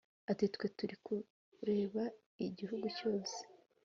Ati “Twe turi kureba igihugu cyose